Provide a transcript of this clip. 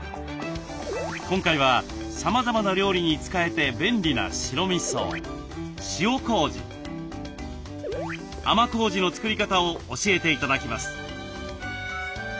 今回はさまざまな料理に使えて便利な白みそ塩こうじ甘こうじの作り方を教えて頂きます。